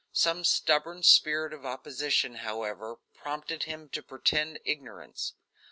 Some stubborn spirit of opposition, however, prompted him to pretend ignorance.